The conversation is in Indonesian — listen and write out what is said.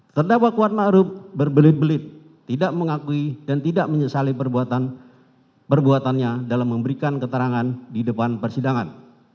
terdakwa kuat ⁇ maruf ⁇ berbelit belit tidak mengakui dan tidak menyesali perbuatannya dalam memberikan keterangan di depan persidangan